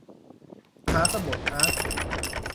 มหาสมุทรอาร์กติก